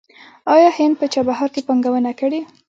آیا هند په چابهار کې پانګونه کړې؟